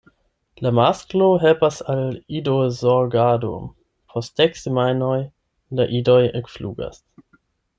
La masklo helpas al idozorgado: post dek semajnoj la idoj ekflugas.